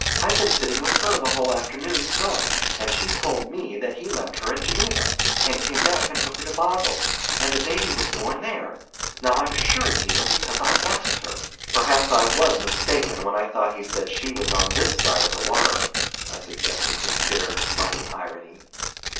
"I've been sitting with her the whole afternoon, sewing, and she told me that he left her at Geneva, and came back and took her to Basle, and the baby was born there—now I'm sure, dear, because I asked her." "Perhaps I was mistaken when I thought he said she was on this side of the water," I suggested, with bitter, biting irony.